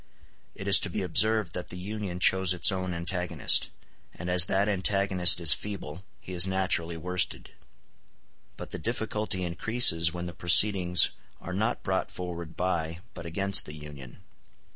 It is to be observed that the Union chose its own antagonist; and as that antagonist is feeble, he is naturally worsted. But the difficulty increases when the proceedings are not brought forward by but against the Union.